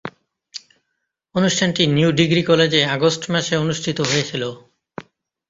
অনুষ্ঠানটি New Degree কলেজে August মাসে অনুষ্ঠিত হয়েছিলো।